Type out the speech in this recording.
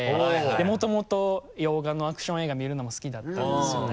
もともと洋画のアクション映画見るのも好きだったんですよね。